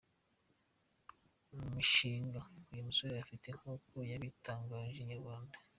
Mu mishinga uyu musore afite nk’uko yabitangarije Inyarwanda.